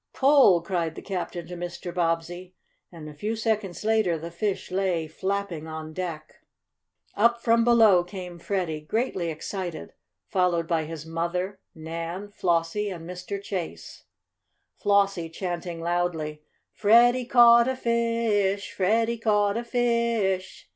"Pull!" cried the captain to Mr. Bobbsey, and a few seconds later the fish lay flapping on deck. Up from below came Freddie, greatly excited, followed by his mother, Nan, Flossie and Mr. Chase, Flossie chanting loudly: "Freddie caught a fish! Freddie caught a fish!"